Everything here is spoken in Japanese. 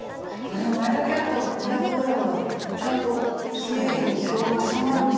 でもあれだけあった５００グラムがちゃんとキレイにちょうど収まるんですね。